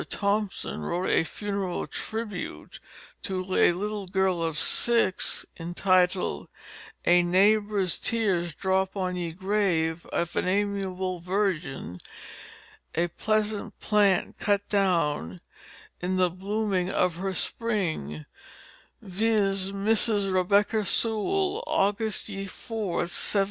Tompson wrote a funeral tribute to a little girl of six, entitled, "A Neighbour's Tears dropt on ye Grave of an amiable Virgin; a pleasant Plant cut down in the blooming of her Spring, viz: Mrs. Rebecka Sewall August ye 4th, 1710."